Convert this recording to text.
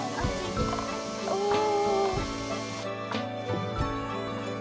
おお。